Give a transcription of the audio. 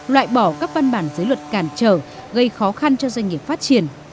loại bỏ các văn bản giới luật cản trở gây khó khăn cho doanh nghiệp phát triển